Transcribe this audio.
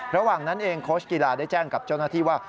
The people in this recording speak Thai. ระหว่างนั้นเองโค้ชกีฬาได้แจ้งกับเจ้าหน้าที่ว่า